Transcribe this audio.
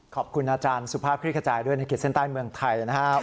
ขอบคุณอาจารย์สุภาพคลิกขจายด้วยในขีดเส้นใต้เมืองไทยนะครับ